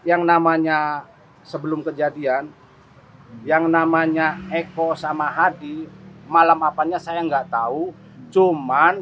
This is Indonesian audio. hai yang namanya sebelum kejadian yang namanya eko sama hadi malam apanya saya nggak tahu cuman